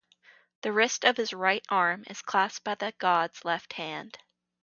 The wrist of his right arm is clasped by the god's left hand.